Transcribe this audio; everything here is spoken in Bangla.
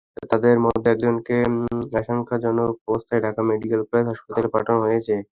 তাদের মধ্যে একজনকে আশঙ্কাজনক অবস্থায় ঢাকা মেডিকেল কলেজ হাসপাতালে পাঠানো হয়েছে।